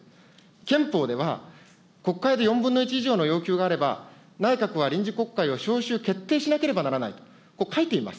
憲法では、国会で４分の１以上の要求があれば、内閣は臨時国会を召集決定しなければならないと、こう書いています。